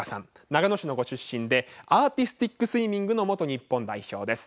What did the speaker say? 長野市のご出身でアーティスティックスイミングの元日本代表です。